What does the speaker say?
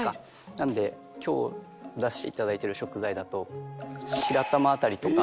なので今日出していただいてる食材だと白玉辺りとか。